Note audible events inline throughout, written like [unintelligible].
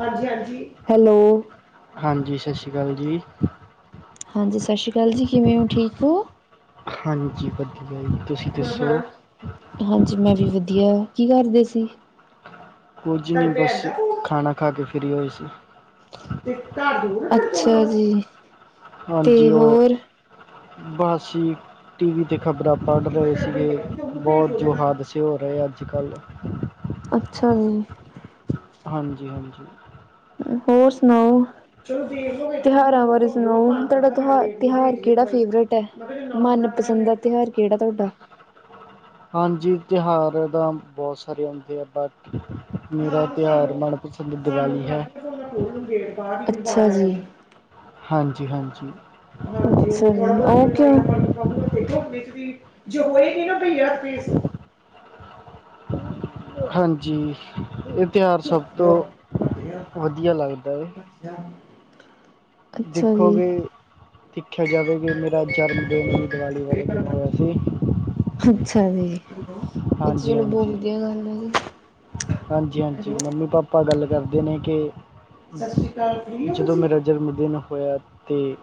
ਹਾਂਜੀ ਹਾਂਜੀ ਹੈਲੋ। ਹਾਂਜੀ ਸਤਿ ਸ਼੍ਰੀ ਅਕਾਲ ਜੀ। ਹਾਂਜੀ, ਸਤਿ ਸ਼੍ਰੀ ਅਕਾਲ ਜੀ। ਕਿਵੇਂ ਹੋ ਠੀਕ ਹੋ? ਹਾਂਜੀ, ਵਧੀਆ ਜੀ। ਤੁਸੀਂ ਹਾਂ ਹਾਂ, ਦੱਸੋ ਹਾਂਜੀ, ਮੈਂ ਵੀ ਵਧੀਆ। ਕੀ ਕਰਦੇ ਸੀ? ਕੁਝ ਨ੍ਹੀਂ ਬਸ ਖਾਣਾ ਖਾ ਕੇ ਫਰੀ ਹੋਏ ਸੀ। [inaudible] ਅੱਛਾ ਜੀ। ਤੇ ਹਾਂਜੀ ਓ, ਹੋਰ ਬਸ ਜੀ। ਟੀ ਵੀ ਤੇ ਖ਼ਬਰਾਂ ਪੜ੍ਹ ਰਹੇ ਸੀਗੇ, ਬਹੁਤ ਜੋ ਹਾਦਸੇ ਹੋ ਰਹੇ ਅੱਜ ਕੱਲ੍ਹ। ਅੱਛਾ ਜੀ। ਹਾਂਜੀ ਹਾਂਜੀ। ਹੋਰ ਸੁਣਾਓ। [inaudible] [unintelligible] ਤਿਉਹਾਰਾਂ ਬਾਰੇ ਸੁਣਾਓ ਤੁਹਾਡਾ ਤਿਉਹ ਤਿਉਹਾਰ ਕਿਹੜਾ ਫੇਵਰਟ ਐ? ਮਨਪਸੰਦ ਦਾ ਤਿਉਹਾਰ ਕਿਹੜਾ ਤੁਹਾਡਾ। ਹਾਂਜੀ, ਤਿਉਹਾਰ ਤਾਂ ਬਹੁਤ ਸਾਰੇ ਹੁੰਂਦੇ ਆ ਬਟ ਮੇਰਾ ਤਿਉਹਾਰ ਮਨਪਸੰਦ ਦੀਵਾਲੀ ਹੈ। [inaudible] ਅੱਛਾ ਜੀ। ਹਾਂਜੀ ਹਾਂਜੀ। [inaudible] ਹਾਂਜੀ ਸਹੀ ਐ, ਓਹ ਕਿਉ? ਜੋ ਹੋਏਗੀ ਨਾ ਬਈ ਯਾਰ ਫੀਸ ਹਾਂਜੀ ਇਹ ਤਿਉਹਾਰ ਸਭ ਤੋਂ ਵਧੀਆ ਲੱਗਦਾ ਐ। [unintelligible] ਜੀ ਦੇਖੋਗੇ। ਦੇਖਿਆ ਜਾਵੇ ਵੀ, ਮੇਰਾ ਜਨਮ ਦਿਨ ਵੀ ਦੀਵਾਲੀ ਵਾਲੇ ਦਿਨ ਹੋਇਆ ਸੀ। ਅੱਛਾ ਜੀ, ਇਹ ਤੇ ਹਾਂਜੀ ਚਲੋ ਬਹੁਤ ਹਾਂਜੀ ਵਧੀਆ ਗੱਲ ਆ ਜੀ। ਹਾਂਜੀ, ਹਾਂਜੀ ਮੰਮੀ, ਪਾਪਾ ਗੱਲ ਕਰਦੇ ਨੇਂ ਕਿ ਜਦੋਂ ਮੇਰਾ ਜਨਮ ਦਿਨ ਹੋਇਆ ਤੇ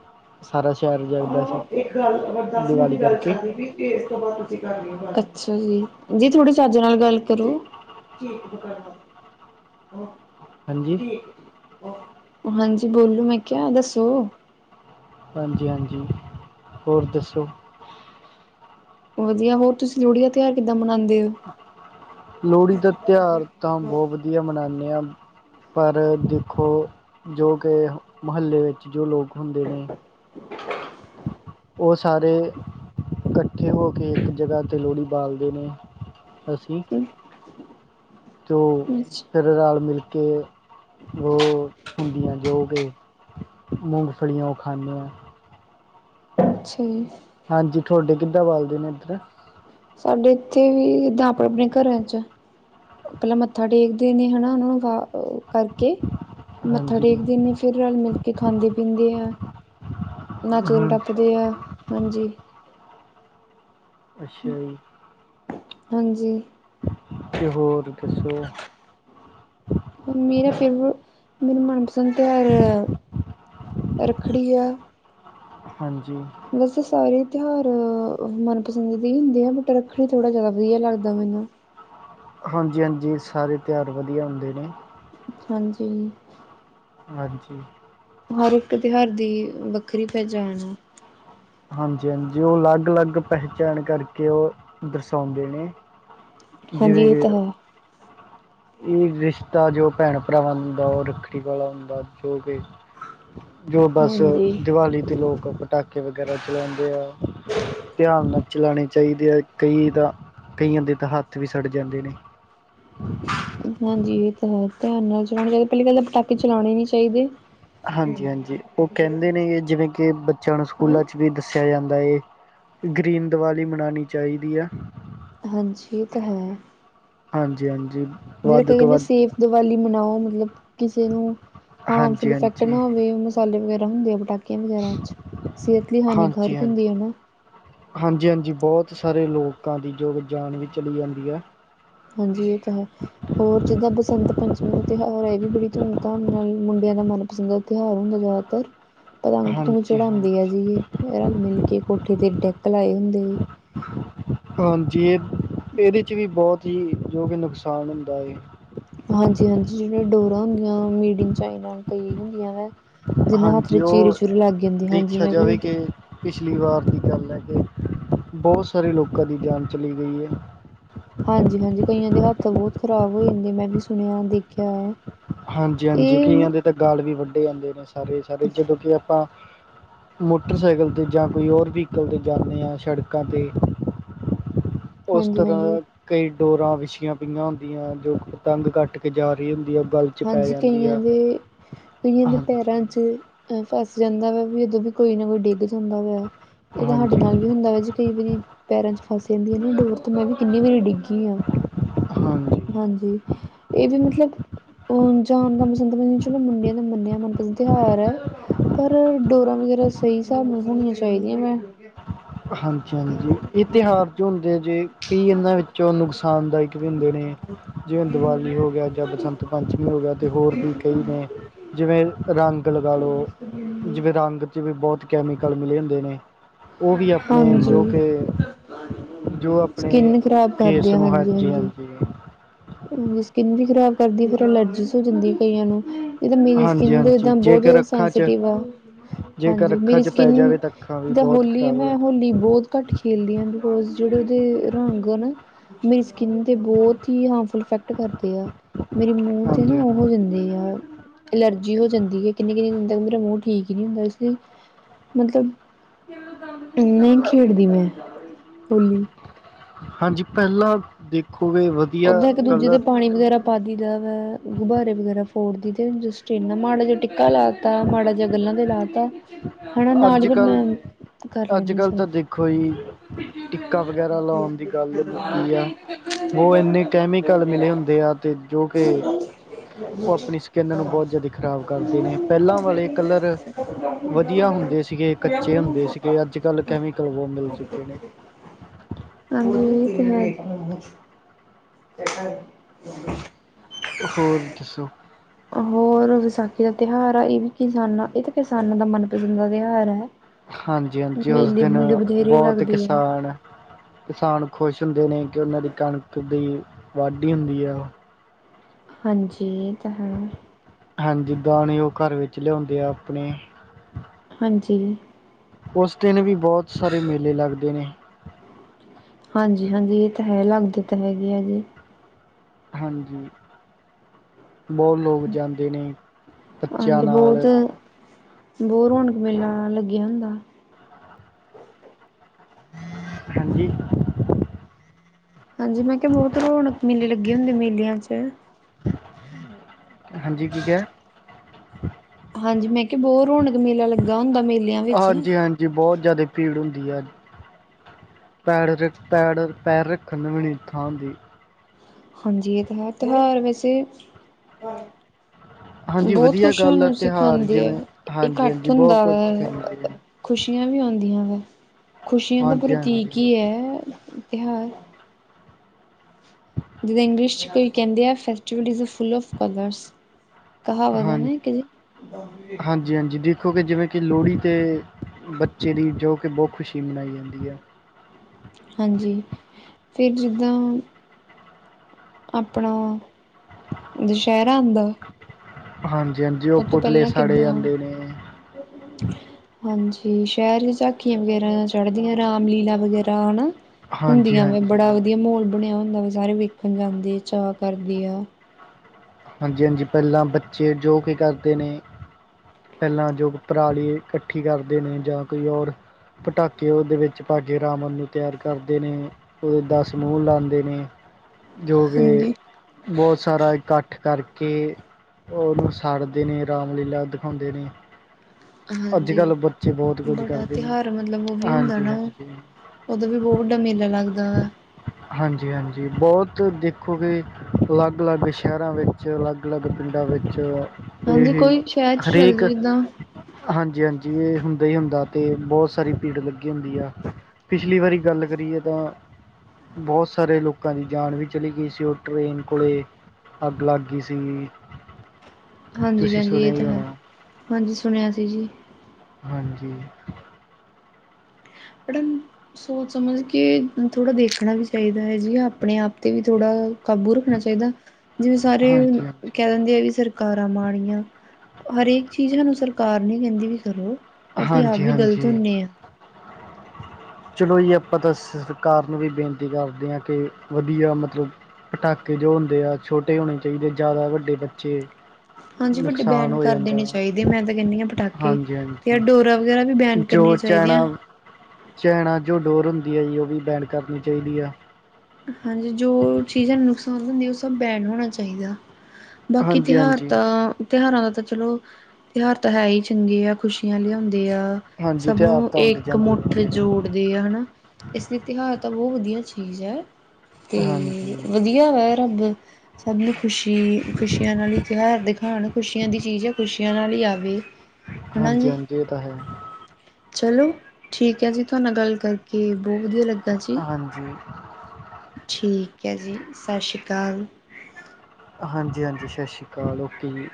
ਸਾਰਾ ਸ਼ਹਿਰ ਜਗਦਾ ਸੀ ਹਹ ਇੱਕ ਗੱਲ ਅਗਰ ਦਸ ਮਿੰਟ ਦੀਵਾਲੀ ਦੀ ਗੱਲ ਕਰਕੇ ਛਾਦੀ ਪਈ ਤੇ [inaudible] ਅੱਛਾ ਜੀ। ਜੀ ਥੋੜੇ ਚੱਜ ਨਾਲ ਗੱਲ ਕਰੋ। [unintelligible] [inaudible] [unintelligible] ਹਾਂਜੀ, ਬੋਲੋ ਮੈਂ ਕਿਆ ਦੱਸੋ। ਹਾਂਜੀ ਹਾਂਜੀ ਹੋਰ ਦੱਸੋ। ਵਧੀਆ ਹੋਰ ਤੁਸੀਂ ਲੋਹੜੀ ਦਾ ਤਿਉਹਾਰ ਕਿੱਦਾਂ ਮਨਾਂਦੇ ਓ। ਲੋਹੜੀ ਦਾ ਤਿਉਹਾਰ ਤਾਂ ਬਹੁਤ ਵਧੀਆ ਮਨਾਣੇ ਆਂ। ਪਰ ਦੇਖੋ ਜੋ ਕਿ ਮੁਹੱਲੇ ਵਿੱਚ ਜੋ ਲੋਕ ਹੁੰਦੇ ਨੇਂ ਉਹ ਸਾਰੇ ਇਕੱਠੇ ਹੋ ਕੇ ਇੱਕ ਜਗ੍ਹਾ ਤੇ ਲੋਹੜੀ ਬਾਲਦੇ ਨੇਂ। ਅਸੀਂ ਤੋ ਅੱਛਾ, ਫਿਰ ਰਲ ਮਿਲ ਕੇ ਉਹ ਹੁੰਦੀਆਂ ਜੋ ਕਿ ਮੂੰਗਫਲੀਆਂ ਉਹ ਖਾਂਣੇ ਆਂ। [unintelligible] ਅੱਛਾ ਜੀ। ਹਾਂਜੀ ਤੁਹਾਡੇ ਕਿੱਦਾਂ ਬੋਲਦੇ ਨੇਂ ਓਧੱਰ। ਸਾਡੇ ਇੱਥੇ ਵੀ ਏਦਾਂ ਦਾਪਕ ਆਪਣੇ ਘਰਿਆਂ ਚ ਅੱਗੇ ਮੱਥਾ ਟੇਕਦੇ ਨੇ ਹਨਾ ਉਹਨਾਂ ਨੂੰ ਵ ਕਰਕੇ ਮੱਥਾ ਹਾਂਜੀ ਟੇਕਦੇ ਨਹੀਂ ਫਿਰ ਰਲ ਮਿਲ ਕੇ ਖਾਂਦੇ ਪੀਂਦੇ ਆ। ਨਾਚੇ ਦੇ ਹਾਂ ਟੱਪਦੇ ਆ ਹਾਂਜੀ। ਅੱਛਾ ਜੀ। ਹਾਂਜੀ। ਤੇ ਹੋਰ ਦੱਸੋ। ਮੇਰਾ ਫੇਵਰ, ਮੇਰਾ ਮਨਪਸੰਦ ਤਿਉਹਾਰ, ਰੱਖੜੀ ਆ। ਹਾਂਜੀ। ਵੈਸੇ ਸਾਰੇ ਤਿਉਹਾਰ ਮਨਪਸੰਦ ਦੇ ਹੀ ਹੁੰਦੇ ਆ, ਬਟ ਰੱਖੜ ਥੋੜ੍ਹਾ ਜ਼ਿਆਦਾ ਵਧੀਆ ਲੱਗਦਾ ਮੈਨੂੰ। ਹਾਂਜੀ ਹਾਂਜੀ, ਸਾਰੇ ਤਿਉਹਾਰ ਵਧੀਆ ਹੁੰਦੇ ਨੇਂ। ਹਾਂਜੀ। ਹਾਂਜੀ। ਹਰ ਇੱਕ ਤਿਉਹਾਰ ਦੀ ਵੱਖਰੀ ਪਹਿਚਾਣ ਆ। ਹਾਂਜੀ ਹਾਂਜੀ ਉਹ ਅਲੱਗ ਅਲੱਗ ਪਹਿਚਾਣ ਕਰਕੇ ਉਹ ਦਰਸਾਉਂਦੇ ਨੇ। ਹਾਂਜੀ ਜਿਵੇਂ ਇਹ ਤਾਂ ਕੇ। ਹੈ। ਇਹ ਰਿਸ਼ਤਾ ਜੋ ਭੈਣ ਭਰਾਵਾਂ ਦਾ ਹੁੰਦਾ ਹੈ। ਉਹ ਰੱਖੜੀ ਵਾਲਾ ਹੁੰਦਾ ਜੋ ਕੇ। ਜੋ ਬਸ ਹਾਂਜੀ। ਦੀਵਾਲੀ ਦੇ ਲੋਕ ਪਟਾਕੇ ਵਗੈਰਾ। ਚਲਾਉਂਦੇ ਆ ਧਿਆਨ ਨਾਲ ਚਲਾਉਣੇ ਚਾਹੀਦੇ ਆ ਕਈ ਤਾਂ। ਕਈਆਂ ਦੇ ਤਾਂ ਹੱਥ ਵੀ ਸੜ ਜਾਂਦੇ ਨੇ। ਹਾਂਜੀ ਇਹ ਤਾਂ ਹੈ। ਧਿਆਨ ਨਾਲ ਚਲਾਉਣੇ ਚਾਹੀਦਾ ਹੈ। ਪਹਿਲੀ ਗੱਲ ਤਾਂ ਪਟਾਕੇ ਚਲਾਉਣੇ ਨੀ ਚਾਹੀਦੇ। ਹਾਂਜੀ ਹਾਂਜੀ ਉਹ ਕਹਿੰਦੇ ਨੇ ਜਿਵੇਂ ਕਿ ਬੱਚਿਆਂ ਨੂੰ ਹੂੰ। ਸਕੂਲਾਂ 'ਚ ਵੀ ਦੱਸਿਆ। ਦੱਸਿਆ ਜਾਂਦਾ ਹੈ। ਗਰੀਨ ਦਿਵਾਲੀ ਮਨਾਉਣੀ ਚਾਹੀਦੀ ਆ। ਹਾਂਜੀ ਇਹ ਤਾਂ ਹੈ। ਹਾਂਜੀ ਹਾਂਜੀ। ਜਿਹੜੇ ਵੱਧ ਤੋਂ ਕਹੀ ਵੱਧ ਸੇਫ ਦੀਵਾਲੀ ਮਨਾਓ ਮਤਲਬ ਕਿਸੇ ਨੂੰ। ਹਾਂ ਫਿਰ ਹਾਂਜੀ ਇਫੈਕਟ ਨਾ ਹਾਂਜੀ ਹੋਵੇ ਉਹਨੂੰ। ਮਸਾਲੇ ਵਗੈਰਾ ਹੁੰਦੇ ਆ ਪਟਾਕੀਆਂ ਵਗੈਰਾ 'ਚ ਸਿਹਤ ਲਈ ਹਾਂਜੀ ਹਾਨੀਕਾਰਕ ਹਾਂ ਹੁੰਦੀ ਹੈ ਨਾ। ਹਾਂਜੀ ਹਾਂਜੀ ਬਹੁਤ ਸਾਰੇ ਲੋਕਾਂ ਦੀ ਜੋ ਕਿ ਜਾਨ ਵੀ ਚਲੀ ਜਾਂਦੀ ਹੈ। ਹਾਂਜੀ ਇਹ ਤਾਂ ਹੈ ਹੋਰ ਜਿੱਦਾਂ ਬਸੰਤ ਪੰਚ ਦਾ ਤਿਉਹਾਰ ਹੈ ਇਹ ਵੀ ਬੜੀ ਧੂਮ ਧਾਮ ਨਾਲ ਮੁੰਡਿਆਂ ਦਾ ਮਨਪਸੰਦ ਦਾ ਤਿਉਹਾਰ ਹੁੰਦਾ ਜ਼ਿਆਦਾਤਰ। ਪਤੰਗ ਪਤੰਗ ਹਾਂਜੀ ਚੜਾਉਂਦੇ ਹਾਂਜੀ ਆ ਜੀ ਇਹ ਰਲ ਮਿਲ ਕੇ ਕੋਠੇ ਤੇ ਡਿੱਕ ਲਾਏ ਹੁੰਦੇ। ਹਾਂਜੀ ਇਹਦੇ ਚ ਵੀ ਬਹੁਤ ਹੀ ਜੋ ਕਿ ਨੁਕਸਾਨ ਹੁੰਦਾ ਹੈ। ਹਾਂਜੀ ਹਾਂਜੀ ਜਿਹੜੀਆਂ ਡੋਰਾਂ ਹੁੰਦੀਆਂ ਮਾੜੇ ਚਾਈਨਾ ਕਈ ਹੁੰਦੀਆਂ ਨੇ। ਜਿੰਨਾ ਹੱਥ ਹਾਂਜੀ ਚ ਚੀਰੇ ਉਹ ਚੁਰੀ ਲੱਗ ਜਾਂਦੀ ਹਾਂਜੀ ਦੇਖਿਆ ਮੈਂ ਵੀ ਜਾਵੇ ਕਿ ਪਿਛਲੀ ਵਾਰ ਦੀ ਗੱਲ ਹੈ। ਕਿ ਬਹੁਤ ਸਾਰੇ ਲੋਕਾਂ ਦੀ ਜਾਨ ਚਲੀ ਗਈ ਹੈ। ਹਾਂਜੀ ਹਾਂਜੀ ਕਈਆਂ ਦੇ ਹੱਥ ਬਹੁਤ ਖ਼ਰਾਬ ਹੋ ਜਾਂਦੇ ਹੈ। ਮੈਂ ਵੀ ਸੁਣਿਆ ਦੇਖਿਆ ਹੈ। ਹਾਂਜੀ ਹਾਂਜੀ ਇਹ ਕਈਆਂ ਦੇ ਤਾਂ ਗਲ਼ ਵੀ ਵੱਢੇ ਜਾਂਦੇ ਨੇ ਸਾਰੇ ਸਾਰੇ ਜਦੋਂ ਕਿ ਆਪਾਂ। ਮੋਟਰਸਾਈਕਲ ਤੇ ਜਾਂ ਕੋਈ ਹੋਰ ਵਹੀਕਲ ਤੇ ਜਾਂਦੇ ਹਾਂ। ਸੜਕਾਂ ਤੇ। ਉਸ ਹਾਂਜੀ-ਹਾਂਜੀ, ਹਾਂਜੀ ਤਰ੍ਹਾਂ ਕਈ ਡੋਰਾਂ ਵਿੱਛੀਆਂ ਪਈਆਂ ਹੁੰਦੀਆਂ ਹੈ। ਜੋ ਪਤੰਗ ਕੱਟ ਕੇ ਜਾ ਰਹੀ ਹੁੰਦੀ ਹੈ। ਹਾਂਜੀ ਕਈਆਂ ਦੇ ਕਈਆਂ ਦੇ ਹਾਂਜੀ ਪੈਰਾਂ 'ਚ। ਅਹ ਫਸ ਜਾਂਦਾ ਵਾ ਵੀ ਉਦੋਂ ਵੀ ਕੋਈ ਨਾ ਕੋਈ ਡਿੱਗ ਜਾਂਦਾ ਵਾ ਇਹ ਤਾਂ ਸਾਡੇ ਹਾਂਜੀ ਨਾਲ ਵੀ ਹੁੰਦਾ ਵੈਸੇ। ਕਈ ਵਾਰੀ ਪੈਰਾਂ 'ਚ ਫਸ ਜਾਂਦੀ ਆ ਨਾ ਡੋਰ ਤੇ ਮੈਂ ਵੀ ਕਿੰਨੀ ਵਾਰੀ ਡਿੱਗੀ ਆਂ। ਹਾਂਜੀ ਹਾਂਜੀ ਹਾਂਜੀ ਇਹ ਵੀ ਮਤਲਬ। ਉਹ ਉਂਝ ਉਹਦਾ ਬਸੰਤ ਪੰਚਮੀ ਮੁੰਡਿਆਂ ਦਾ ਮੰਨਿਆ ਮਨਪਸੰਦ ਤਿਉਹਾਰ ਹੈ। ਪਰ ਡੋਰਾਂ ਵਗੈਰਾ ਸਹੀ ਹਿਸਾਬ ਨਾਲ ਹੋਣੀਆਂ ਚਾਹੀਦੀਆਂ ਮੈਂ। ਹਾਂਜੀ ਹਾਂਜੀ ਇਹ ਤਿਉਹਾਰ ਜੋ ਹੁੰਦੇ ਆ ਜੇ। ਕਈ ਇਹਨਾਂ ਵਿੱਚੋਂ ਨੁਕਸਾਨ ਦਾਇਕ ਵੀ ਹੁੰਦੇ ਨੇ ਜਿਵੇਂ ਦੀਵਾਲੀ ਹੋ ਗਿਆ ਹੈ। ਜਾਂ ਬਸੰਤ। ਪੰਚਮੀ ਹੋ ਗਿਆ ਤੇ ਹੋਰ ਵੀ ਕਈ ਨੇ ਜਿਵੇਂ ਰੰਗ ਲਗਾ ਲੋ। ਜਿਵੇਂ ਰੰਗ 'ਚ ਵੀ ਬਹੁਤ ਕੈਮੀਕਲ ਮਿਲੇ ਹੁੰਦੇ ਨੇ ਉਹ ਵੀ ਆਪਣੇ ਜੋ ਹਾਂਜੀ। ਕਿ। ਜੋ ਆਪਣੇ ਸਕਿੰਨ ਖਰਾਬ ਫੇਸ ਕਰਦੇ ਆ ਨੂੰ ਹਾਂਜੀ ਹਾਂਜੀ। ਸਕਿੰਨ ਵੀ ਖ਼ਰਾਬ ਕਰਦੀ, ਫਿਰ ਅਲਰਜੀ ਹੋ ਜਾਂਦੀ ਹੈ, ਕਈਆਂ ਨੂੰ। ਇਹ ਤਾਂ, ਮੇਰੀ ਹਾਂਜੀ ਸਕਿੰਨ ਹਾਂਜੀ ਏਦਾਂ ਬਹੁਤ ਜੇਕਰ ਜ਼ਿਆਦਾ ਅੱਖਾਂ 'ਚ ਸੈਂਸੀਟੀਵ ਆ। ਜੇਕਰ ਹਾਂਜੀ, ਅੱਖਾਂ ਮੇਰੀ 'ਚ ਪੈ ਸਕਿੰਨ ਜਾਵੇ ਤਾਂ ਅੱਖਾਂ ਵੀ ਜਿਦਾਂ ਬਹੁਤ ਹੋਲੀ ਹੈ, ਖ਼ਰਾਬ ਹੋ ਮੈਂ ਜਾਂਦੀ ਹੋਲੀ ਬਹੁਤ ਘੱਟ ਖੇਲਦੀ ਆ ਬਿਕੋਜ ਜਿਹੜੇ ਉਹਦੇ ਰੰਗ ਨਾ ਮੇਰੇ। ਕਹਿੰਦੇ ਬਹੁਤ ਹੀ ਹਾਮਫੁਲ ਇਫੈਕਟ ਕਰਦੇ ਆ। ਮੇਰੇ ਮੂੰਹ ਤੇ ਨਾ ਹਾਂਜੀ ਉਹ ਹੋ ਹਾਂਜੀ ਜਾਂਦੇ ਆ ਅਲਰਜੀ ਹੋ ਜਾਂਦੀ ਹੈ। ਕਿੰਨੇ ਕਿੰਨੇ ਦਿਨ ਤੱਕ ਮੇਰਾ ਮੂੰਹ ਠੀਕ। ਨਹੀਂ ਹੁੰਦਾ ਜੀ। ਮਤਲਬ ਇਹ ਨਹੀਂ ਖੇਡਦੀ ਮੈਂ। ਹੋਲੀ। ਹਾਂਜੀ ਪਹਿਲਾਂ ਦੇਖੋਗੇ। ਵਧੀਆ ਉਦਾਂ ਇੱਕ ਦੂਜੇ ਦੇ ਕਲਰ ਪਾਣੀ ਵਗੈਰਾ। ਪਾ ਦੀਈਦਾ ਵਾ ਗੁਬਾਰੇ ਵਗੈਰਾ ਫੋੜਦੀ ਦੇ ਜਿਸ ਇੰਨਾ ਮਾੜਾ ਜਿਹਾ ਟਿੱਕਾ ਲਾ ਕੇ। ਤਾ ਮਾੜਾ ਜਿਹਾ ਗੱਲਾਂ ਤੇ ਲਾ ਤਾ। ਹਨਾ ਨਾਲ ਹੀ ਫਿਰ ਅੱਜ-ਕੱਲ, ਮੈਂ ਕਰ ਲੈਂਦੀ ਅੱਜ-ਕੱਲ ਤਾਂ ਸਾਫ਼ ਦੇਖੋ ਜੀ। ਟਿੱਕਾ ਵਗੈਰਾ ਲਾਉਣ ਦੀ ਗੱਲ ਮੁੱਕੀ ਆ, ਉਹ ਇੰਨੇ ਕੈਮੀਕਲ ਮਿਲੇ ਹੁੰਦੇ ਆ, ਤੇ ਜੋ, ਕਿ ਉਹ ਆਪਣੀ ਸਕਿੰਨ ਨੂੰ ਬਹੁਤ ਜ਼ਿਆਦਾ ਖ਼ਰਾਬ ਕਰਦੇ ਨੇ। ਪਹਿਲਾਂ ਵਾਲੇ ਕਲਰ ਵਧੀਆ ਹੁੰਦੇ ਸੀਗੇ, ਕੱਚੇ ਹੁੰਦੇ ਸੀਗੇ, ਅੱਜ-ਕੱਲ੍ਹ ਕੈਮੀਕਲ ਬਹੁਤ ਮਿਲ ਚੁੱਕੇ ਨੇ। [inaudible] ਹਾਂਜੀ, ਏ, ਤੇ, ਹੋਈ। ਚ [unintelligible] ਹੋਰ, ਦੱਸੋ? ਹੋਰ, ਵਿਸਾਖੀ ਦਾ ਤਿਉਹਾਰ ਆ, ਇਹ ਵੀ ਕਿਸਾਨਾਂ, ਇਹ ਤਾਂ ਕਿਸਾਨਾਂ ਦਾ ਮਨਪਸੰਦ ਦਾ ਤਿਉਹਾਰ ਹੈ। ਹਾਂਜੀ, ਹਾਂਜੀ ਉਸ ਮੇਲੇ ਦਿਨ ਮੂਲੇ ਬਥੇਰੇ ਬਹੁਤ ਲੱਗਦੇ ਆ ਕਿਸਾਨ ਕਿਸਾਨ ਖੁਸ਼ ਹੁੰਦੇ ਨੇ ਕਿ, ਉਹਨਾਂ ਦੀ ਕਣਕ ਦੀ ਵਾਡੀ ਹੁੰਦੀ ਆ। ਹਾਂਜੀ, ਇਹ ਤਾਂ ਹੈ। ਹਾਂਜੀ, ਦਾਣੇ ਉਹ, ਘਰ ਵਿੱਚ ਲਿਆਉਂਦੇ ਆ ਆਪਣੇ। ਹਾਂਜੀ। ਉਸ ਦਿਨ ਵੀ ਬਹੁਤ ਸਾਰੇ ਮੇਲੇ ਲੱਗਦੇ ਨੇ। ਹਾਂਜੀ-ਹਾਂਜੀ ਇਹ ਤਾ ਹੈ, ਲੱਗਦੇ ਤਾਂ ਹੈਗੇ ਆ ਜੀ। ਹਾਂਜੀ। ਬਹੁਤ ਲੋਕ ਜਾਂਦੇ ਨੇ, ਬੱਚਿਆਂ ਹਾਂਜੀ ਨਾਲ। ਬਹੁਤ ਬਹੁਤ ਰੌਣਕ-ਮੇਲਾ ਲੱਗਿਆ ਹੁੰਦਾ। ਹਾਂਜੀ। ਹਾਂਜੀ, ਮੈਂ ਕਿਹਾ ਬਹੁਤ ਰੋਣਕ ਮੇਲੇ ਲੱਗੇ ਹੁੰਦੇ ਮੇਲਿਆਂ'ਚ ਹਾਂਜੀ, ਕੀ ਕਿਆ? ਹਾਂਜੀ, ਮੈਂ ਕਿਹਾ ਬਹੁਤ ਰੌਣਕ-ਮੇਲਾ ਲੱਗਾ ਹੁੰਦਾ ਮੇਲਿਆਂ ਵਿੱਚ ਹਾਂਜੀ, ਹਾਂਜੀ ਬਹੁਤ ਜ਼ਿਆਦੇ ਭੀੜ ਹੁੰਦੀ ਹੈ। ਪੈੜ, ਰੱਖ, ਪੈੜ, ਪੈਰ ਰੱਖਣ ਨੂੰ ਵੀ ਨੀ ਥਾਂ ਹੁੰਦੀ। ਹਾਂਜੀ, ਇਹ ਤਾਂ ਹੈ, ਤਿਉਹਾਰ ਵੈਸੇ ਹਾਂਜੀ ਬਹੁਤ ਵਧੀਆ ਕੁਛ ਗੱਲ ਆ ਸਾਨੂੰ ਤਿਉਹਾਰ ਸਿਖਾਉਂਦੇ ਜਿਵੇਂ ਐ, ਹਾਂਜੀ ਇਕੱਠ ਹਾਂਜੀ ਬਹੁਤ ਹੁੰਦਾ ਕੁਝ ਵ ਸਿਖਾਉਂਦੇ ਆ ਖੁਸ਼ੀਆਂ ਵੀ ਆਉਂਦੀਆਂ ਵਾ, ਖੁਸ਼ੀਆਂ ਦਾ ਹਾਂਜੀ ਪ੍ਰਤੀਕ ਹਾਂਜੀ ਹੀ ਹੈ। ਤਿਉਹਾਰ ਜਿਦਾ ਇੰਗਲਿਸ਼'ਚ ਕੋਈ ਕਹਿੰਦੇ ਆ, festival is the full of colours ਕਹਾਵਤ ਹੈ ਨਾ, ਇੱਕ ਜੀ ਜੀ ਹਾਂਜੀ ਦੇਖੋ ਕਿ ਜਿਵੇਂ ਕਿ, ਲੋਹੜੀ 'ਤੇ ਬੱਚੇ ਦੀ ਜੋ ਕਿ, ਬਹੁਤ ਖੁਸ਼ੀ ਮਨਾਈ ਜਾਂਦੀ ਹੈ। ਹਾਂਜੀ, ਫਿਰ ਜਿੱਦਾਂ ਆਪਣਾ, ਦੁਸ਼ਹਿਰਾ ਆਉਂਦਾ। ਹਾਂਜੀ, ਹਾਂਜੀ ਉਹ, ਤੋਂ ਪੁਤਲੇ ਪਹਿਲਾਂ ਸਾੜੇ ਕਿੱਦਾਂ ਜਾਂਦੇ ਨੇ। ਹਾਂਜੀ। ਸ਼ਹਿਰ 'ਚ ਝਾਕੀਆਂ ਵਗੈਰਾ ਚੜਦੀਆਂ, ਰਾਮਲੀਲਾ ਵਗੈਰਾ ਹਨਾ। ਹਾਂਜੀ ਹੁੰਦੀਆਂ ਵ ਬੜਾ ਹਾਂਜੀ ਵਧੀਆ ਮਾਹੌਲ ਬਣਿਆ ਹੁੰਦਾ ਵੇਚਾਰੇ ਵੇਖਣ ਜਾਂਦੇ ਆ ਚਾਅ ਕਰਦੀ ਆ। ਹਾਂਜੀ-ਹਾਂਜੀ ਪਹਿਲਾਂ ਬੱਚੇ ਜੋ ਕਿ ਕਰਦੇ ਨੇ ਪਹਿਲਾਂ ਜੋ ਪਰਾਲੀ ਕੱਠੀ ਕਰਦੇ ਨੇ ਜਾਂ ਕੋਈ ਹੋਰ ਪਟਾਕੇ ਉਹਦੇ ਵਿੱਚ ਪਾ ਕੇ ਰਾਵਣ ਨੂੰ ਤਿਆਰ ਕਰਦੇ ਨੇ। ਉਹਦੇ ਦਸ ਮੂੰਹ ਲਾਂਦੇ ਨੇ, ਜੋ ਵੇ ਹਾਂਜੀ। ਬਹੁਤ ਸਾਰਾ ਇਕੱ ਇਕੱਠ ਕਰਕੇ, ਉਹਨੂੰ ਸਾੜਦੇ ਨੇ ਰਾਮਲੀਲਾ ਦਿਖਾਉਂਦੇ ਨੇ। ਹਾਂਜੀ ਅੱਜ-ਕੱਲ ਬੱਚੇ ਬਹੁਤ ਕੁਝ ਬੜਾ ਕਰਦੇ ਨੇ, ਤਿਉਹਾਰ ਮਤਲਬ ਉਹ ਵੀ ਹੁੰਦਾ ਨਾ। ਹਾਂਜੀ-ਹਾਂਜੀ। ਉਦੋਂ ਵੀ, ਬਹੁਤ ਵੱਡਾ ਮੇਲਾ ਲੱਗਦਾ ਵਾ। ਹਾਂਜੀ, ਹਾਂਜੀ, ਬਹੁਤ ਦੇਖੋਗੇ, ਅਲੱਗ-ਅਲੱਗ ਸ਼ਹਿਰ ਤਾ ਵਿੱਚ, ਅਲੱਗ-ਅਲੱਗ ਪਿੰਡਾਂ ਵਿੱਚ, ਹਾਂਜੀ ਇਹ ਕੋਈ ਸ਼ਹਿਰ ਚ ਚੱਲ ਹਰੇਕ ਜਾਓ ਜਿੱਦਾਂ ਹਾਂਜੀ, ਹਾਂਜੀ ਇਹ ਹੁੰਦਾ ਹੀ ਹੁੰਦਾ ਤੇ, ਬਹੁਤ ਸਾਰੀ ਭੀੜ ਲੱਗੀ ਹੁੰਦੀ ਆ। ਪਿਛਲੀ ਵਾਰੀ ਗੱਲ ਕਰੀਏ ਤਾਂ ਬਹੁਤ ਸਾਰੇ ਲੋਕਾਂ ਦੀ ਜਾਣ ਵੀ ਚਲੀ ਗਈ ਸੀ, ਉਹ ਟ੍ਰੇਨ ਕੋਲੇ ਅੱਗ ਲੱਗ ਗਈ ਸੀ। ਹਾਂਜੀ, ਤੁਸੀਂ ਹਾਂਜੀ ਸੁਣਿਆ ਇਹ ਤਾ ਹੀ ਹੈ, ਹੋਣਾ ਹਾਂਜੀ, ਸੁਣਿਆ ਸੀ ਜੀ। ਹਾਂਜੀ। [unintelligible] ਸੋਚ ਸਮਝ ਕੇ ਥੋੜ੍ਹਾ ਦੇਖਣਾ ਵੀ ਚਾਹੀਦਾ ਹੈ ਜੀ ਆਪਣੇ ਆਪ ਤੇ ਵੀ ਥੋੜ੍ਹਾ ਕਾਬੂ ਰੱਖਣਾ ਚਾਹੀਦਾ ਜਿਵੇਂ ਸਾਰੇ ਹਾਂਜੀ ਹਾਂਜੀ ਕਹਦੇ ਆ ਵੀ ਸਰਕਾਰਾਂ ਮਾੜੀਆਂ ਹਰੇਕ ਚੀਜ਼ ਸਾਨੂੰ ਸਰਕਾਰ ਨੀ ਕਹਿੰਦੀ ਵੀ ਕਰੋ। ਅਸੀਂ ਆਪ ਵੀ ਗਲਤ ਹੁਣੇ ਆ। ਹ [unintelligible] ਚਲੋ ਜੀ ਆਪਾਂ ਤਾਂ ਸਰਕਾਰ ਨੂੰ ਵੀ ਬੇਨਤੀ ਕਰਦੇ ਹਾਂ ਕਿ ਵਧੀਆ ਮਤਲਬ ਪਟਾਕੇ ਜੋ ਹੁੰਦੇ ਆ ਛੋਟੇ ਹੋਣੇ ਚਾਹੀਦੇ ਜਾਦਾ ਵੱਡੇ ਬੱਚੇ ਹਾਂਜੀ ਵੱਡੇ ਨੁਕਸਾਨ ਬੈਨ ਹੋ ਕਰ ਜਾਂਦਾ ਦੇਣੇ ਚਾਹੀਦੇ ਮੈਂ ਤਾਂ ਕਹਿੰਦੀ ਹਾਂ ਪਟਾਕੇ ਹਾਂਜੀ-ਹਾਂਜੀ। ਤੇ ਡੋਰਾ ਵਗੈਰਾ ਵੀ ਬੈਨ ਜੋ ਕਰਨੀਆਂ ਚੈਣਾ, ਚਾਹੀਦੀਆਂ ਚੈਣਾ ਜੋ ਡੋਰ ਹੁੰਦੀ ਹੈ ਜੀ ਉਹ ਵੀ ਬੈਂਡ ਕਰਨੀ ਚਾਹੀਦੀ ਆ। ਹਾਂ ਜੀ ਜੋ ਚੀਜ਼ਾਂ ਨੁਕਸਾਨ ਦਿੰਦਿਆਂ ਉਹ ਸਭ ਬੈਡ ਹੋਣਾ ਚਾਹੀਦਾ। ਬਾਕੀ ਹਾਂਜੀ ਤਿਉਹਾਰ ਹਾਂਜੀ ਤਾਂ ਤਿਉਹਾਰਾਂ ਦਾ ਤਾਂ ਚਲੋ ਤਿਉਹਾਰ ਤਾਂ ਹੈ ਹੀ ਚੰਗੇ ਆ ਖੁਸ਼ੀ ਆ ਲਿਆਉਂਦੇ ਆ ਹਾਂਜੀ ਸਭ ਤਿਉਹਾਰ ਨੂੰ ਤਾਂ ਆਉਂਦੇ ਇੱਕ ਜਾਂਦੇ ਮੁੱਠ ਰਹਿੰਦੇ ਜੌ ਨੇ ਦੇ ਆ ਹਨਾ, ਇਸ ਲਈ ਤਿਉਹਾਰ ਤਾਂ ਬਹੁਤ ਵਧੀਆ ਚੀਜ਼ ਹੈ। ਹਾਂਜੀ ਤੇ ਵਧੀਆ ਹੈ ਰੱਬ ਸਭ ਨੂੰ ਖੁਸ਼ੀ ਖੁਸ਼ੀਆਂ ਨਾਲ ਹੀ ਤਿਉਹਾਰ ਦਿਖਾਉਣ ਖੁਸ਼ੀਆਂ ਦੀ ਚੀਜ਼ ਹੈ ਖੁਸ਼ੀਆਂ ਨਾਲ ਹੀ ਆਵੇ। ਹਨਾ ਹਾਂਜੀ, ਜੀ ਹਾਂਜੀ ਇਹ ਤਾਂ ਹੈ। ਚਲੋ ਠੀਕ ਹੈ ਜੀ ਤੁਹਾਡੇ ਨਾਲ ਗੱਲ ਕਰਕੇ ਬਹੁਤ ਵਧੀਆ ਲੱਗਾ ਜੀ। ਹਾਂਜੀ। ਠੀਕ ਹੈ ਜੀ ਸਸ ਸ੍ਰੀ ਕਾਲ। ਹਾਂਜੀ-ਹਾਂਜੀ ਸਸ ਸ੍ਰੀ ਕਾਲ ਓਕੇ ਜੀ।